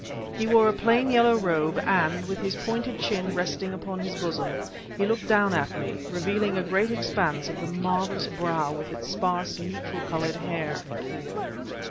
He wore a plain yellow robe, and, with his pointed chin resting upon his bosom, he looked down at me, revealing a great expanse of the marvelous brow with its sparse, neutral colored hair.